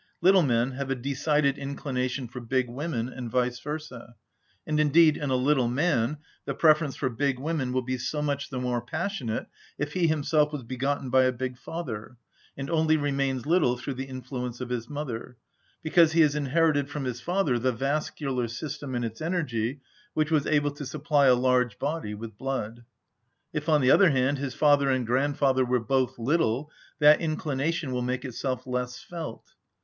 Little men have a decided inclination for big women, and vice versâ; and indeed in a little man the preference for big women will be so much the more passionate if he himself was begotten by a big father, and only remains little through the influence of his mother; because he has inherited from his father the vascular system and its energy, which was able to supply a large body with blood. If, on the other hand, his father and grandfather were both little, that inclination will make itself less felt.